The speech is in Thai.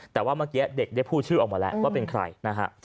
แต่ว่าเมื่อกี้เด็กได้พูดชื่อออกมาแล้วว่าเป็นใครนะฮะ